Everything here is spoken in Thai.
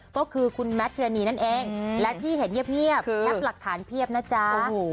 ก็คือคุณแมทพิรณีนั่นเองอืมและที่เห็นเยี่ยมเยี่ยมคือแคบหลักฐานเพียบนะจ๊ะโอ้โห